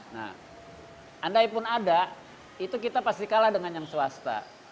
nah andai pun ada itu kita pasti kalah dengan yang swasta